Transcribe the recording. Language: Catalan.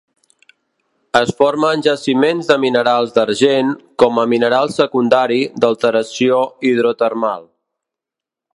Es forma en jaciments de minerals d'argent com a mineral secundari d'alteració hidrotermal.